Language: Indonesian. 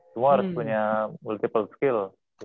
semua harus punya multiple skill